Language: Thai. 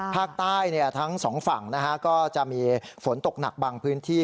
ภาคใต้ทั้งสองฝั่งก็จะมีฝนตกหนักบางพื้นที่